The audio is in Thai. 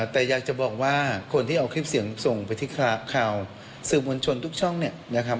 แต่อยากจะบอกว่าคนที่เอาคลิปเสียงส่งไปที่ข่าวสื่อมวลชนทุกช่องเนี่ยนะครับ